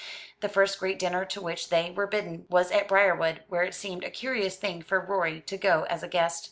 The first great dinner to which they were bidden was at Briarwood, where it seemed a curious thing for Rorie to go as a guest.